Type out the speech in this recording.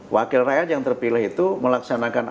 wakil rakyat yang terpilih itu melaksanakan